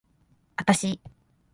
あたし